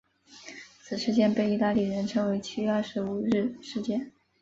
此事件被意大利人称为七月二十五日事件。